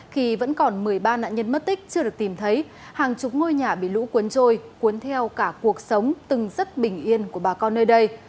khi vẫn còn một mươi ba nạn nhân mất tích chưa được tìm thấy hàng chục ngôi nhà bị lũ cuốn trôi cuốn theo cả cuộc sống từng rất bình yên của bà con nơi đây